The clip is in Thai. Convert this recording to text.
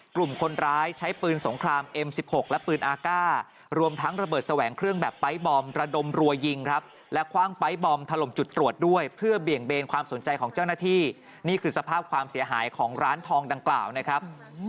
กลุ่มคนร้ายใช้ปืนสงครามเอ็มสิบหกและปืนอากาศรวมทั้งระเบิดแสวงเครื่องแบบไปร์ทบอมระดมรัวยิงครับและคว่างไป๊บอมถล่มจุดตรวจด้วยเพื่อเบี่ยงเบนความสนใจของเจ้าหน้าที่นี่คือสภาพความเสียหายของร้านทองดังกล่าวนะครับ